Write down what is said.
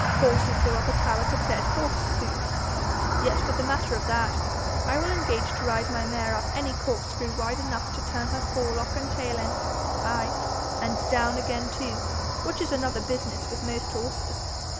Horses go up a tower to bed forsooth! Yet for the matter of that, I will engage to ride my mare up any corkscrew wide enough to turn her forelock and tail in ay, and down again too, which is another business with most horses.